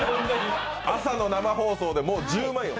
朝の生放送で１０万よ。